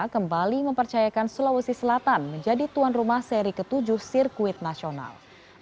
kembali mempercayakan sulawesi selatan menjadi tuan rumah seri ketujuh sirkuit nasional